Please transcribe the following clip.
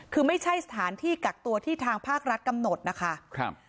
คือไม่ใช่สถานที่กักตัวที่ทางภาครัฐกำหนดนะคะครับ